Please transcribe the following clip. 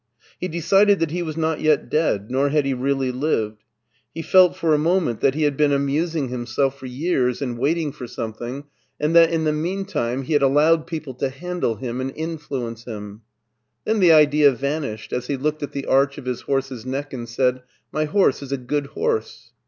He decided that he was not yet dead nor had he really Kvcd. He felt for a moment that he had been amusing 214 MARTIN SCHtJLER himself for years and waiting for something, and that in the meantime he had allowed people to handle him and influence him. Then the idea vanished as he looked at the arch of his horse's neck, and said, " My horse is a good horse."